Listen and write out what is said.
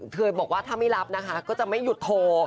เคยบอกว่าถ้าไม่รับนะคะก็จะไม่หยุดโทร